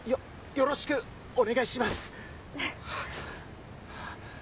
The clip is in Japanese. よろしくお願いします。